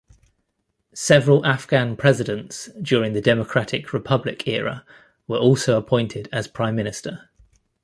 Several Afghan presidents during the Democratic Republic era were also appointed as Prime Minister.